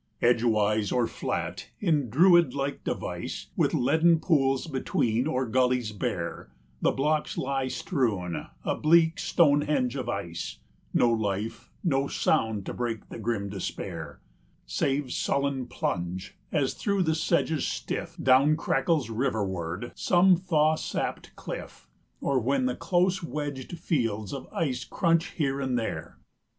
Edgewise or flat, in Druid like device, 190 With leaden pools between or gullies bare, The blocks lie strewn, a bleak Stonehenge of ice; No life, no sound, to break the grim despair, Save sullen plunge, as through the sedges stiff Down crackles riverward some thaw sapped cliff, 195 Or when the close wedged fields of ice crunch here and there.